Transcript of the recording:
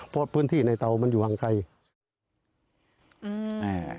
เพราะพื้นที่ในเตามันอยู่ห่างไกลอืมอ่า